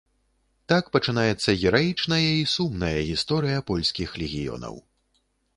Так пачынаецца гераічная і сумная гісторыя польскіх легіёнаў.